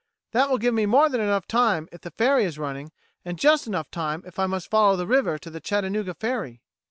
"That will give me more than enough time if the ferry is running, and just enough time if I must follow the river to the Chattanooga ferry."